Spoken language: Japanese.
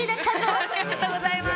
ありがとうございます！